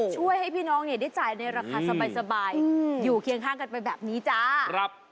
ช่วยให้พี่น้องเนี่ยได้จ่ายในราคาสบายอยู่เคียงข้างกันไปแบบนี้จ้า